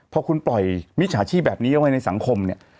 พอคุณปล่อยมิจฉาชีพแบบนี้เอาไว้ในสังคมเนี่ย